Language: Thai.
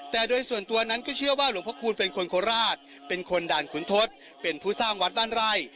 แต่โดยส่วนตัวนั้นก็เชื่อว่าหลวงพระคูณเป็นคนโคราชเป็นคนด่านขุนทศเป็นผู้สร้างวัดบ้านไร่